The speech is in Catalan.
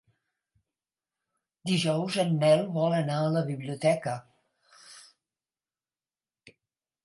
Dijous en Nel vol anar a la biblioteca.